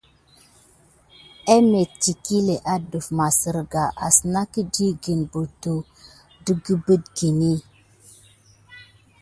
Əmɑŋə iŋklé adef masirka asna ki di kil butua an akebitka.